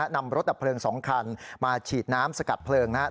นำรถดับเพลิงสองคันมาฉีดน้ำสกัดเพลิงนะครับ